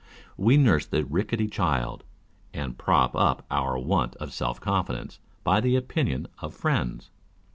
We nurse the rickety child, and prop uj our want of self confidence by the opinion of friends.